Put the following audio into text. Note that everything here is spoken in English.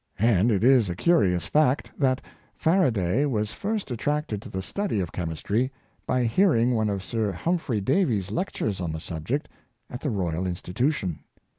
And it is a curious fact, that Faraday was first attracted to the study of chem istry by hearing one of Sir Humphrey Davy's lectures on the subject at the Royal Institution.